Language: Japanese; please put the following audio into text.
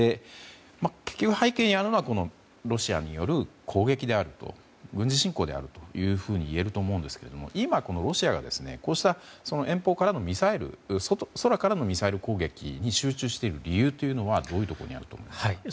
結局、背景にあるのはロシアによる攻撃軍事侵攻であるというふうにいえると思うんですけれども今、このロシアがこうした遠方からのミサイル空からのミサイル攻撃に集中している理由はどういうところにあると思いますか？